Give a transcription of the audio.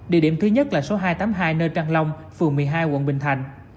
địa điểm thứ nhất là số hai trăm tám mươi hai nơi trang long phường một mươi hai quận bình thạnh